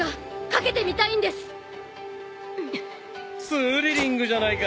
スリリングじゃないか。